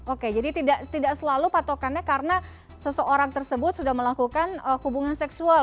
oke jadi tidak selalu patokannya karena seseorang tersebut sudah melakukan hubungan seksual